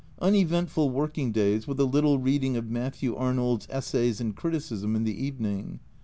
Uneventful working days, with a little reading of Matthew Arnold's Essays in Criticism in the evening.